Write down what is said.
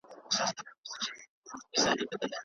هیلي د زلمیو شپو مي سپینو وېښتو وخوړې